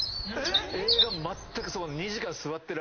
映画まったく。